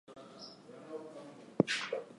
No remains are evident above ground.